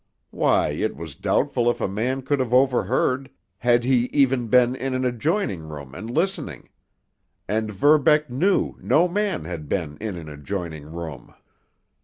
Why, it was doubtful if a man could have overheard, had he even been in an adjoining room and listening—and Verbeck knew no man had been in an adjoining room.